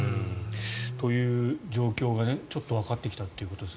という状況が、ちょっとわかってきたということです。